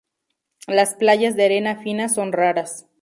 Las playas de arena fina son raras.